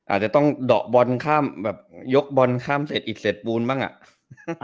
อาจจะต้องเดาะบอลข้ามแบบยกบอลข้ามเสร็จอีกเสร็จปูนบ้างอ่ะ